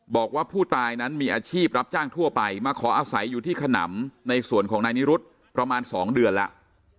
บอกว่าผู้ตายนั้นมีอาชีพรับจ้างทั่วไปมาขออาศัยอยู่ที่ขนำในส่วนของนายนิรุธประมาณ๒เดือนแล้ว